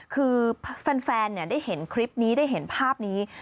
คือแฟนได้เห็นคลิปนี้ได้เห็นภาพนี้